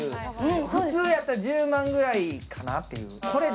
普通やったら１０万ぐらいかな。